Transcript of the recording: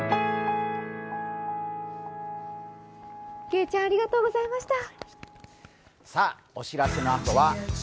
けいちゃん、ありがとうございました。